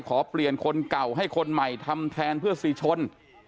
ขอเปลี่ยนคนเก่าให้คนใหม่ทำแทนเพื่อสิชน